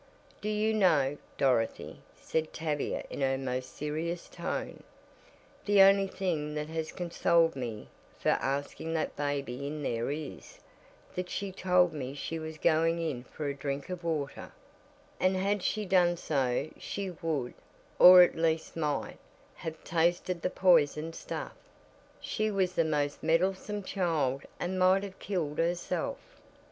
"Do you know, Dorothy," said Tavia in her most serious tone, "the only thing that has consoled me for asking that baby in there is, that she told me she was going in for a drink of water, and had she done so she would, or at least might, have tasted the poison stuff. She was the most meddlesome child and might have killed herself."